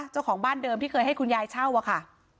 เจ้าของบ้านเดิมที่เคยให้คุณยายเช่าอะค่ะ